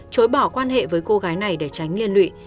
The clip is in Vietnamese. chối bỏ quan hệ với cô gái này để tránh liên lụy